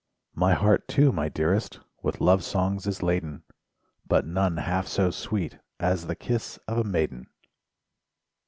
My heart, too, my dearest, With love songs is laden, But none half so sweet as The kiss of a maiden.